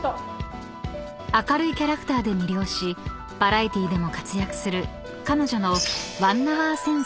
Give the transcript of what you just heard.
［明るいキャラクターで魅了しバラエティーでも活躍する彼女の］